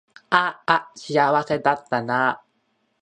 あーあ幸せだったなー